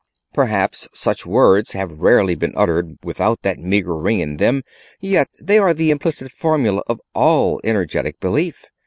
Perhaps such words have rarely been uttered without that meaner ring in them; yet they are the implicit formula of all energetic belief.